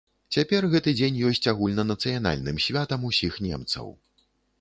Цяпер гэты дзень ёсць агульнанацыянальным святам усіх немцаў.